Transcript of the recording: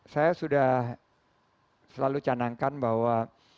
saya sudah selalu canangkan bahwa